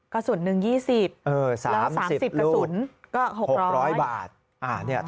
กระสุนหนึ่ง๒๐แล้ว๓๐กระสุนก็๖๐๐บาท